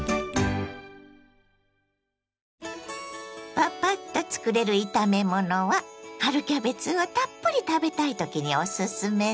パパッとつくれる炒め物は春キャベツをたっぷり食べたいときにおすすめです。